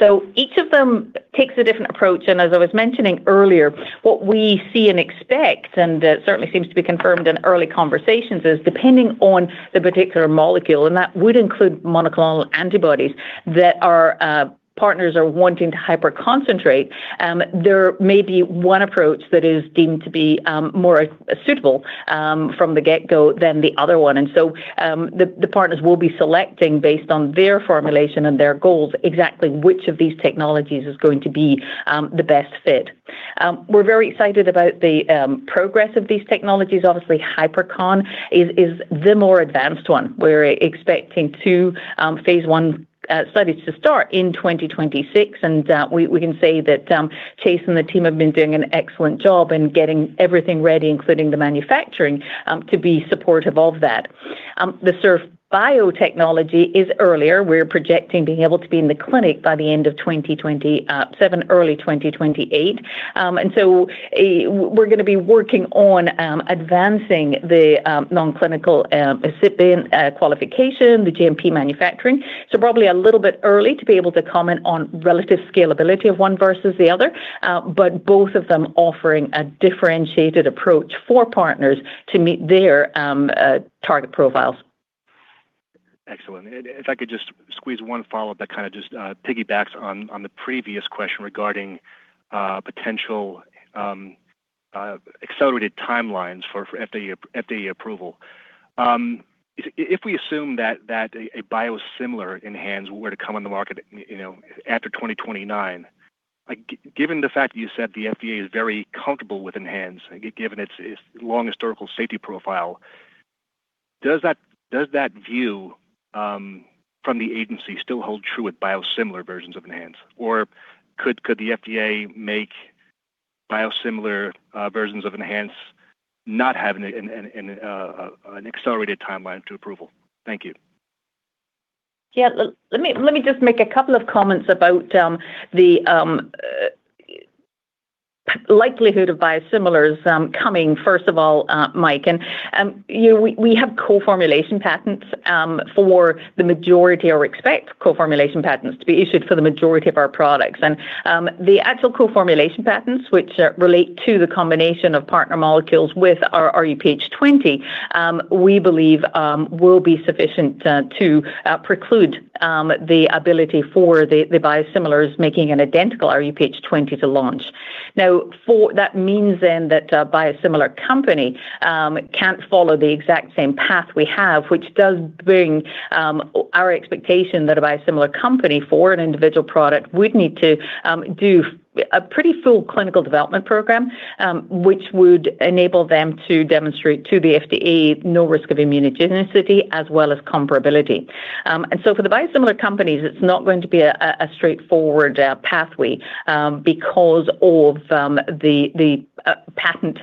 So each of them takes a different approach, and as I was mentioning earlier, what we see and expect, and that certainly seems to be confirmed in early conversations, is depending on the particular molecule, and that would include monoclonal antibodies, that our partners are wanting to hyper concentrate, there may be one approach that is deemed to be more suitable from the get-go than the other one. And so, the partners will be selecting based on their formulation and their goals, exactly which of these technologies is going to be the best fit... We're very excited about the progress of these technologies. Obviously, Hypercon is the more advanced one. We're expecting 2 Phase I studies to start in 2026, and we can say that Chase and the team have been doing an excellent job in getting everything ready, including the manufacturing to be supportive of that. The Surf Bio technology is earlier. We're projecting being able to be in the clinic by the end of 2027, early 2028. And so we're gonna be working on advancing the non-clinical excipient qualification, the GMP manufacturing. So probably a little bit early to be able to comment on relative scalability of one versus the other, but both of them offering a differentiated approach for partners to meet their target profiles. Excellent. If I could just squeeze one follow-up that kind of just piggybacks on the previous question regarding potential accelerated timelines for FDA approval. If we assume that a biosimilar ENHANZE were to come on the market, you know, after 2029, like, given the fact that you said the FDA is very comfortable with ENHANZE, given its long historical safety profile, does that view from the agency still hold true with biosimilar versions of ENHANZE? Or could the FDA make biosimilar versions of ENHANZE not have an accelerated timeline to approval? Thank you. Yeah, let me, let me just make a couple of comments about the likelihood of biosimilars coming, first of all, Mike. And you know, we, we have co-formulation patents for the majority, or expect co-formulation patents to be issued for the majority of our products. And the actual co-formulation patents, which relate to the combination of partner molecules with our rHuPH20, we believe will be sufficient to preclude the ability for the biosimilars making an identical rHuPH20 to launch. Now, for that means then that a biosimilar company can't follow the exact same path we have, which does bring our expectation that a biosimilar company for an individual product would need to do a pretty full clinical development program, which would enable them to demonstrate to the FDA no risk of immunogenicity as well as comparability. And so for the biosimilar companies, it's not going to be a straightforward pathway, because of the patent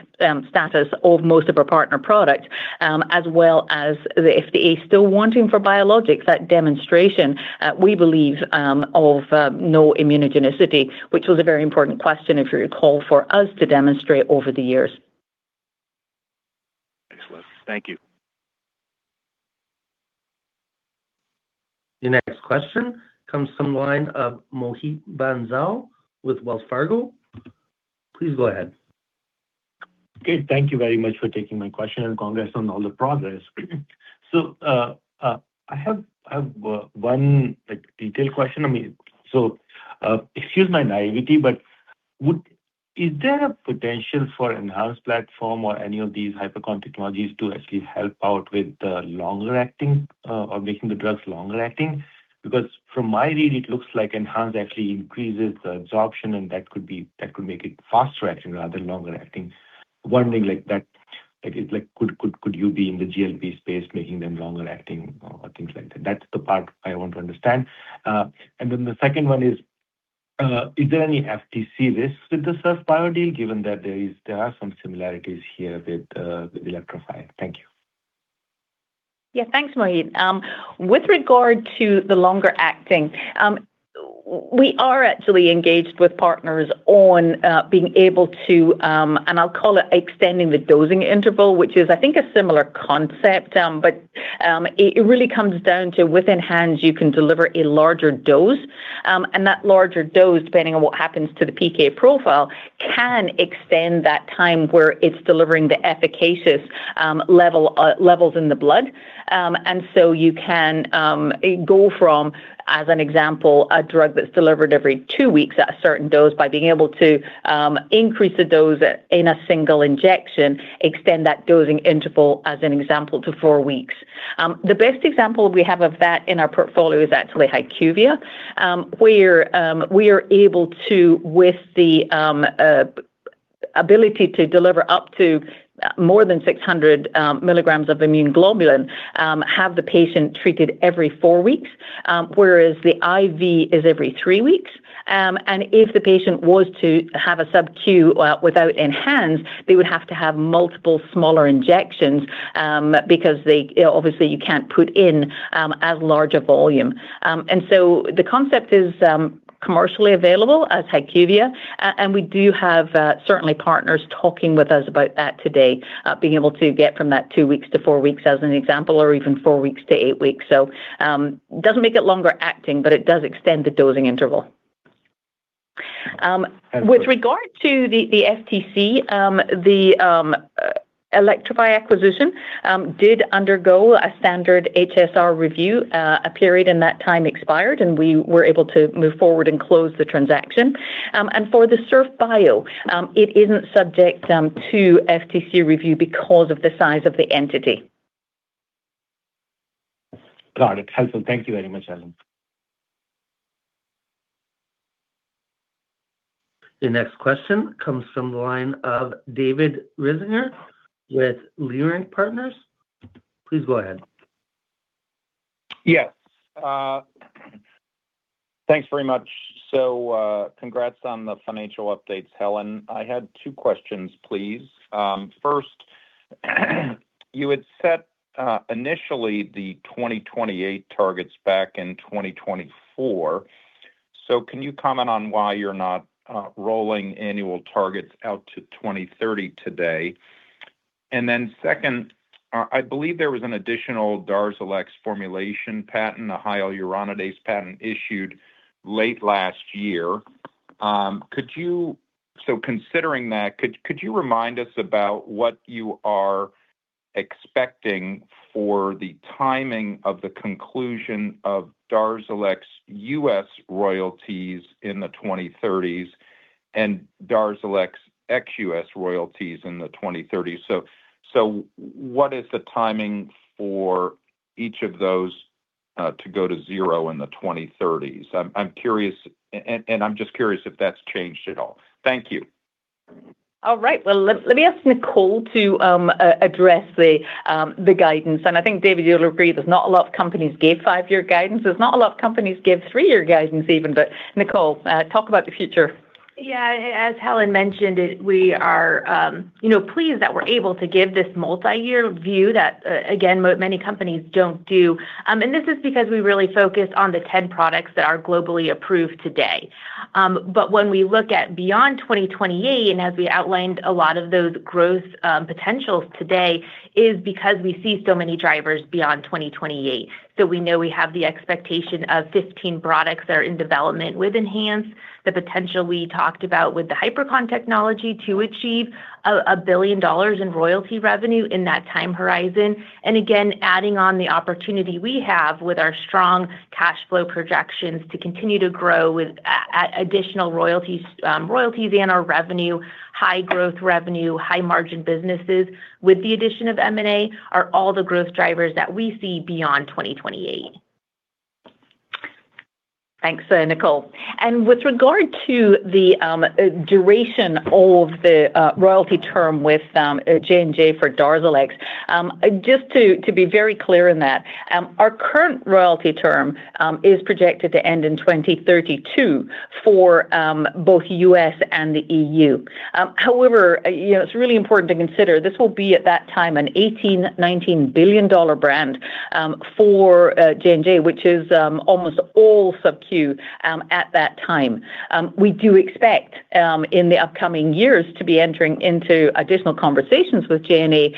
status of most of our partner product, as well as the FDA still wanting for biologics, that demonstration we believe of no immunogenicity, which was a very important question, if you recall, for us to demonstrate over the years. Excellent. Thank you. The next question comes from the line of Mohit Bansal with Wells Fargo. Please go ahead. Okay, thank you very much for taking my question and congrats on all the progress. So, I have one detailed question. I mean, excuse my naivety, but is there a potential for ENHANZE platform or any of these Hypercon technologies to actually help out with the longer-acting, or making the drugs longer-acting? Because from my read, it looks like ENHANZE actually increases the absorption, and that could be, that could make it faster-acting rather than longer-acting. One thing like that, like, could you be in the GLP space, making them longer-acting or things like that? That's the part I want to understand. And then the second one is, is there any FTC risk with the Surf Bio deal, given that there are some similarities here with the Elektrofi? Thank you. Yeah, thanks, Mohit. With regard to the longer-acting, we are actually engaged with partners on being able to, and I'll call it extending the dosing interval, which is, I think, a similar concept. But, it really comes down to, within ENHANZE, you can deliver a larger dose, and that larger dose, depending on what happens to the PK profile, can extend that time where it's delivering the efficacious level, levels in the blood. And so you can go from, as an example, a drug that's delivered every two weeks at a certain dose, by being able to increase the dose in a single injection, extend that dosing interval as an example, to four weeks. The best example we have of that in our portfolio is actually HYQVIA, where we are able to with the ability to deliver up to more than 600 milligrams of immune globulin have the patient treated every 4 weeks, whereas the IV is every 3 weeks. And if the patient was to have a sub-Q without ENHANZE, they would have to have multiple smaller injections because, obviously, you can't put in as large a volume. And so the concept is commercially available as HYQVIA, and we do have certainly partners talking with us about that today, being able to get from that 2 weeks to 4 weeks as an example, or even 4 weeks to 8 weeks. So, doesn't make it longer-acting, but it does extend the dosing interval. With regard to the FTC, the Elektrofi acquisition did undergo a standard HSR review. A period in that time expired, and we were able to move forward and close the transaction. And for the Surf Bio, it isn't subject to FTC review because of the size of the entity. Got it. Helpful. Thank you very much, Helen. The next question comes from the line of David Risinger with Leerink Partners. Please go ahead. Yes, thanks very much. So, congrats on the financial updates, Helen. I had two questions, please. First, you had set initially the 2028 targets back in 2024. So can you comment on why you're not rolling annual targets out to 2030 today? And then second, I believe there was an additional DARZALEX formulation patent, a hyaluronidase patent, issued late last year. Could you—so considering that, could you remind us about what you are expecting for the timing of the conclusion of DARZALEX's U.S. royalties in the 2030s, and DARZALEX ex-U.S. royalties in the 2030s? So, what is the timing for each of those to go to zero in the 2030s? I'm curious. And I'm just curious if that's changed at all. Thank you. All right. Well, let me ask Nicole to address the guidance. And I think, David, you'll agree that not a lot of companies give five-year guidance. There's not a lot of companies give three-year guidance even. But Nicole, talk about the future. Yeah, as Helen mentioned, we are, you know, pleased that we're able to give this multi-year view that, again, many companies don't do. And this is because we really focus on the 10 products that are globally approved today. But when we look at beyond 2028, and as we outlined, a lot of those growth potentials today is because we see so many drivers beyond 2028. So we know we have the expectation of 15 products that are in development with ENHANZE, the potential we talked about with the Hypercon technology to achieve $1 billion in royalty revenue in that time horizon. And again, adding on the opportunity we have with our strong cash flow projections to continue to grow with a additional royalties, royalties and our revenue, high growth revenue, high margin businesses, with the addition of M&A, are all the growth drivers that we see beyond 2028. Thanks, Nicole. With regard to the duration of the royalty term with J&J for DARZALEX, just to be very clear in that, our current royalty term is projected to end in 2032 for both US and the EU. However, you know, it's really important to consider this will be, at that time, an $18-$19 billion brand for J&J, which is almost all sub-Q at that time. We do expect in the upcoming years to be entering into additional conversations with J&J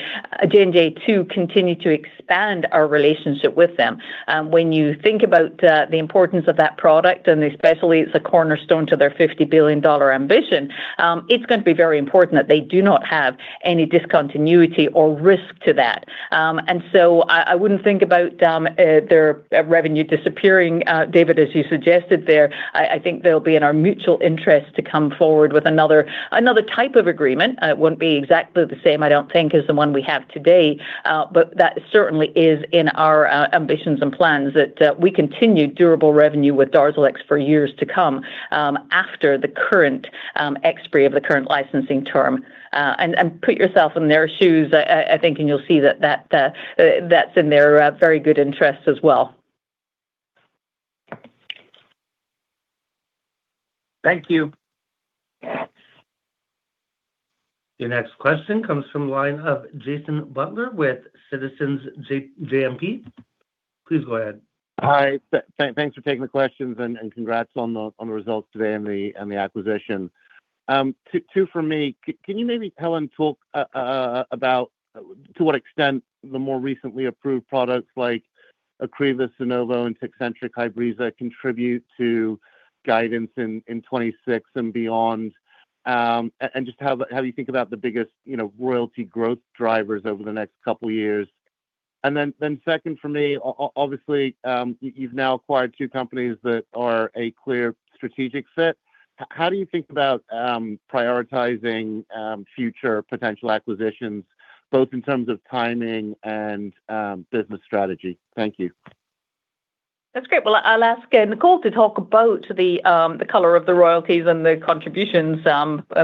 to continue to expand our relationship with them. When you think about the importance of that product, and especially it's a cornerstone to their $50 billion ambition, it's going to be very important that they do not have any discontinuity or risk to that. So I wouldn't think about their revenue disappearing, David, as you suggested there. I think they'll be in our mutual interest to come forward with another type of agreement. It wouldn't be exactly the same, I don't think, as the one we have today, but that certainly is in our ambitions and plans, that we continue durable revenue with DARZALEX for years to come, after the current expiry of the current licensing term. And put yourself in their shoes, I think, and you'll see that that's in their very good interest as well. Thank you. The next question comes from the line of Jason Butler with Citizens JMP. Please go ahead. Hi, thanks for taking the questions, and congrats on the results today and the acquisition. Two for me. Can you maybe, Helen, talk about to what extent the more recently approved products like Ocrevus, Opdivo, and Tecentriq Hybreza contribute to guidance in 2026 and beyond? And just how do you think about the biggest, you know, royalty growth drivers over the next couple of years? And then second for me, obviously, you've now acquired two companies that are a clear strategic fit. How do you think about prioritizing future potential acquisitions, both in terms of timing and business strategy? Thank you. That's great. Well, I'll ask Nicole to talk about the color of the royalties and the contributions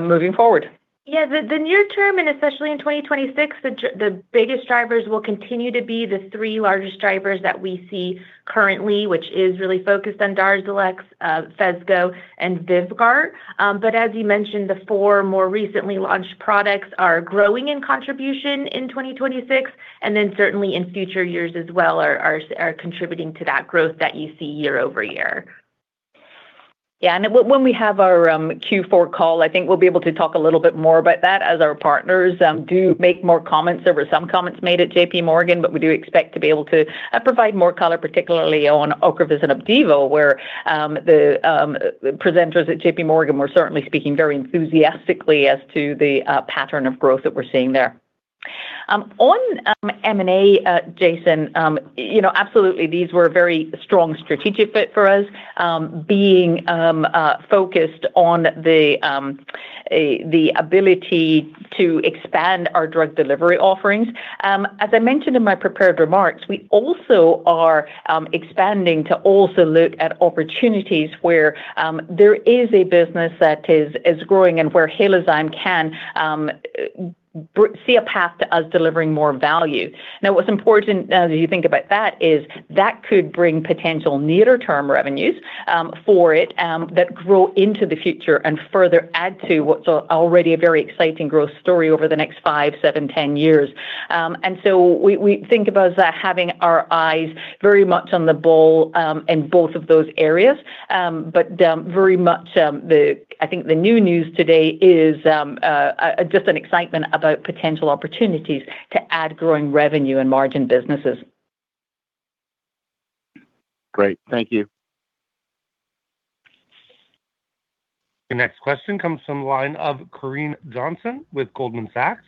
moving forward. Yeah, the near term, and especially in 2026, the biggest drivers will continue to be the three largest drivers that we see currently, which is really focused on DARZALEX, PHESGO and VYVGART. But as you mentioned, the four more recently launched products are growing in contribution in 2026, and then certainly in future years as well, are contributing to that growth that you see year-over-year. Yeah, and when we have our Q4 call, I think we'll be able to talk a little bit more about that as our partners do make more comments. There were some comments made at J.P. Morgan, but we do expect to be able to provide more color, particularly on Ocrevus and Opdivo, where the presenters at J.P. Morgan were certainly speaking very enthusiastically as to the pattern of growth that we're seeing there. On M&A, Jason, you know, absolutely, these were a very strong strategic fit for us. Being focused on the ability to expand our drug delivery offerings. As I mentioned in my prepared remarks, we also are expanding to also look at opportunities where there is a business that is growing and where Halozyme can see a path to us delivering more value. Now, what's important as you think about that, is that could bring potential near-term revenues for it that grow into the future and further add to what's already a very exciting growth story over the next 5, 7, 10 years. And so we think about that having our eyes very much on the ball in both of those areas. But very much, I think the new news today is just an excitement about potential opportunities to add growing revenue and margin businesses. Great. Thank you. The next question comes from the line of Corinne Johnson with Goldman Sachs.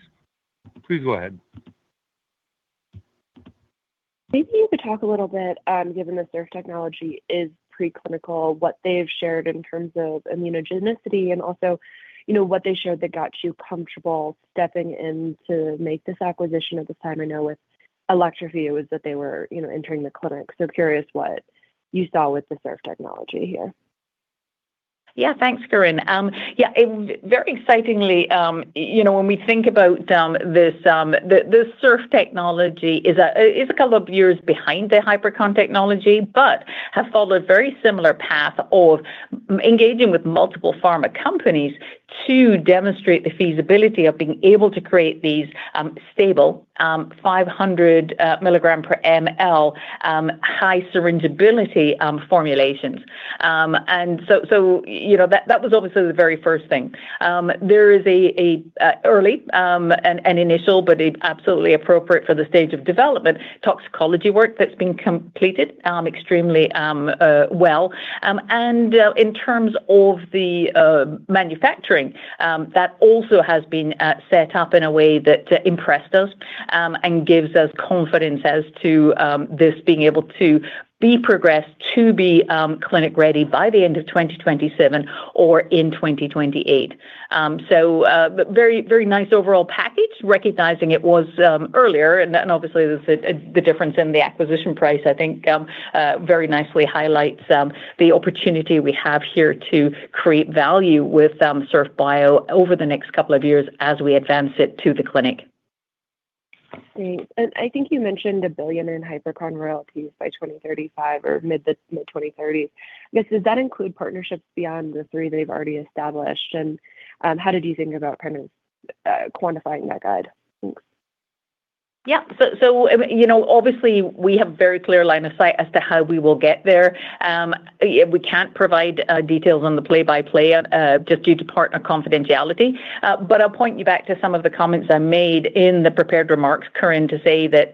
Please go ahead. Maybe you could talk a little bit, given that Surf Bio technology is preclinical, what they've shared in terms of immunogenicity and also, you know, what they showed that got you comfortable stepping in to make this acquisition at this time? I know with Elektrofi, it was that they were, you know, entering the clinic, so curious what you saw with the Surf Bio technology here. Yeah, thanks, Corinne. Yeah, it very excitingly, you know, when we think about this, the Surf technology is a couple of years behind the Hypercon technology, but have followed a very similar path of engaging with multiple pharma companies to demonstrate the feasibility of being able to create these stable 500 milligram per mL high syringeability formulations. And so, you know, that was obviously the very first thing. There is an early initial, but it absolutely appropriate for the stage of development, toxicology work that's been completed extremely well. In terms of the manufacturing, that also has been set up in a way that impressed us and gives us confidence as to this being able to be progressed to be clinic-ready by the end of 2027 or in 2028. So, but very, very nice overall package, recognizing it was earlier, and that obviously, the difference in the acquisition price, I think, very nicely highlights the opportunity we have here to create value with Surf Bio over the next couple of years as we advance it to the clinic. Great. I think you mentioned $1 billion in Hypercon royalties by 2035 or mid- to mid-2030s. Does that include partnerships beyond the three they've already established? And how did you think about kind of quantifying that guide? Thanks. Yeah. So, you know, obviously, we have a very clear line of sight as to how we will get there. We can't provide details on the play-by-play just due to partner confidentiality. But I'll point you back to some of the comments I made in the prepared remarks, Corinne, to say that,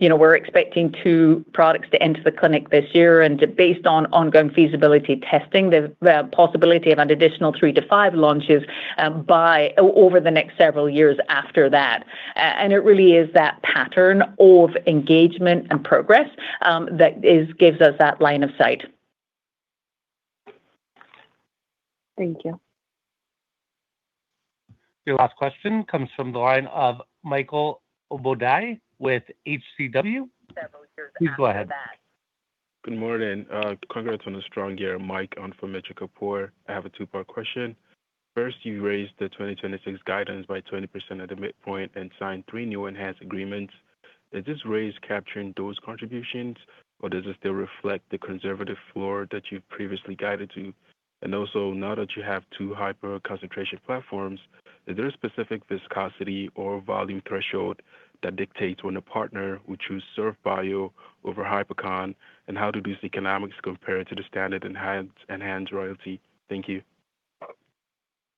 you know, we're expecting two products to enter the clinic this year, and based on ongoing feasibility testing, the possibility of an additional three to five launches by over the next several years after that. And it really is that pattern of engagement and progress that gives us that line of sight. Thank you. The last question comes from the line of Mitchell Kapoor with HCW. Please go ahead. Good morning. Congrats on the strong year, Mitchell Kapoor. I have a two-part question. First, you raised the 2026 guidance by 20% at the midpoint and signed 3 new ENHANZE agreements. Did this raise capturing those contributions, or does this still reflect the conservative floor that you've previously guided to? And also, now that you have two hyperconcentration platforms, is there a specific viscosity or volume threshold that dictates when a partner would choose Surf Bio over Hypercon? And how do these economics compare to the standard ENHANZE, ENHANZE royalty? Thank you.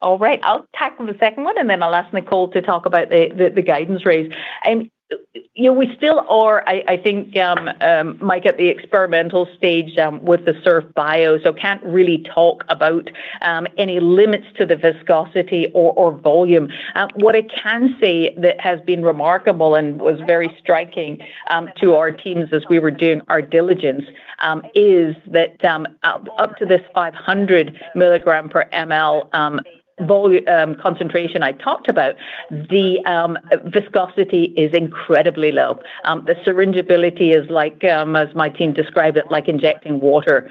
All right. I'll tackle the second one, and then I'll ask Nicole to talk about the guidance raise. And, you know, we still are, I think, Mike, at the experimental stage with the Surf Bio, so can't really talk about any limits to the viscosity or volume. What I can say that has been remarkable and was very striking to our teams as we were doing our diligence is that up to this 500 mg/mL concentration I talked about, the viscosity is incredibly low. The syringeability is like, as my team described it, like injecting water.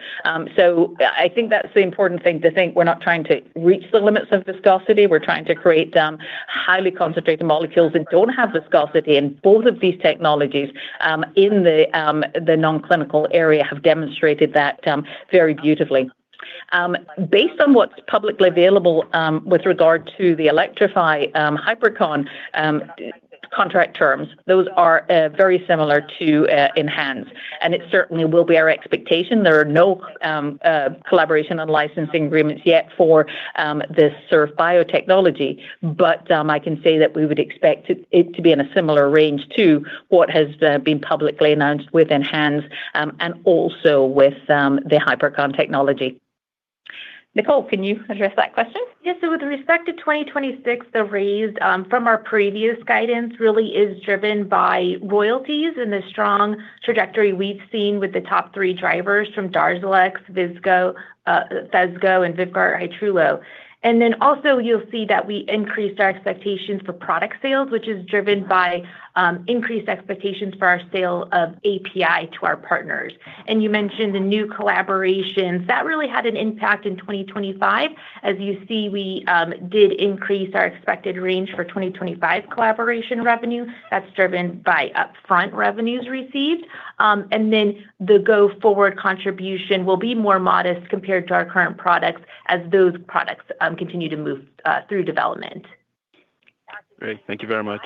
So I think that's the important thing to think. We're not trying to reach the limits of viscosity. We're trying to create highly concentrated molecules that don't have viscosity, and both of these technologies in the non-clinical area have demonstrated that very beautifully. Based on what's publicly available, with regard to the Elektrofi Hypercon contract terms, those are very similar to ENHANZE, and it certainly will be our expectation. There are no collaboration and licensing agreements yet for this Surf Bio technology, but I can say that we would expect it to be in a similar range to what has been publicly announced with ENHANZE, and also with the Hypercon technology. Nicole, can you address that question? Yes, so with respect to 2026, the raise from our previous guidance really is driven by royalties and the strong trajectory we've seen with the top three drivers from DARZALEX, Ocrevus, PHESGO and VYVGART Hytrulo. And then also, you'll see that we increased our expectations for product sales, which is driven by increased expectations for our sale of API to our partners. And you mentioned the new collaborations. That really had an impact in 2025. As you see, we did increase our expected range for 2025 collaboration revenue. That's driven by upfront revenues received. And then the go-forward contribution will be more modest compared to our current products as those products continue to move through development. Great, thank you very much.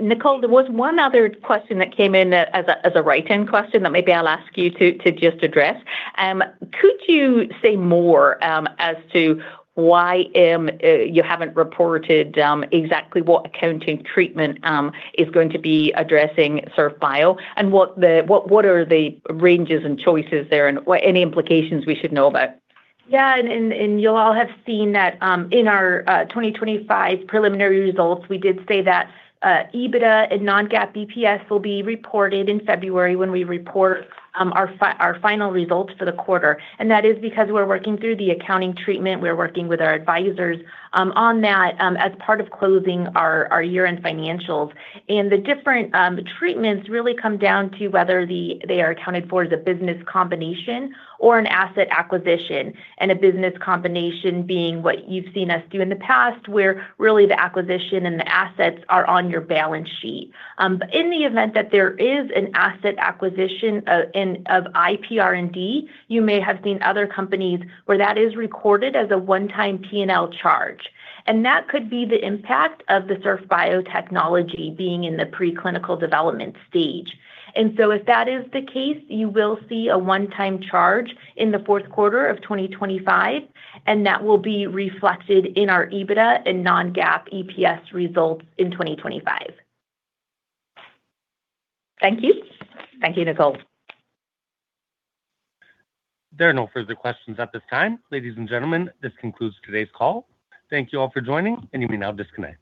Nicole, there was one other question that came in as a write-in question that maybe I'll ask you to just address. Could you say more as to why you haven't reported exactly what accounting treatment is going to be addressing Surf Bio? And what are the ranges and choices there, and what any implications we should know about? Yeah, and you all have seen that, in our 2025 preliminary results, we did say that EBITDA and non-GAAP EPS will be reported in February when we report our final results for the quarter. That is because we're working through the accounting treatment. We're working with our advisors on that, as part of closing our year-end financials. The different treatments really come down to whether they are accounted for as a business combination or an asset acquisition, and a business combination being what you've seen us do in the past, where really the acquisition and the assets are on your balance sheet. But in the event that there is an asset acquisition in of IPR&D, you may have seen other companies where that is recorded as a one-time P&L charge. That could be the impact of the Surf Bio technology being in the preclinical development stage. So if that is the case, you will see a one-time charge in the fourth quarter of 2025, and that will be reflected in our EBITDA and non-GAAP EPS results in 2025. Thank you. Thank you, Nicole. There are no further questions at this time. Ladies and gentlemen, this concludes today's call. Thank you all for joining, and you may now disconnect.